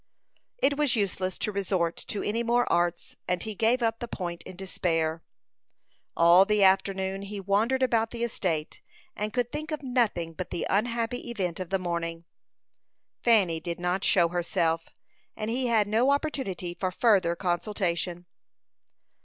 It was useless to resort to any more arts, and he gave up the point in despair. All the afternoon he wandered about the estate, and could think of nothing but the unhappy event of the morning. Fanny did not show herself, and he had no opportunity for further consultation.